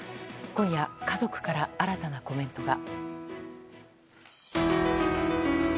今夜家族から新たなコメントが。